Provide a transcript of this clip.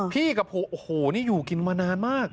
พี่กับโอ้โหนี่อยู่กินมานานมาก